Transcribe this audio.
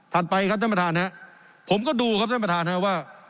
ถัดไปครับท่านประธานฮะผมก็ดูครับท่านประธานฮะว่า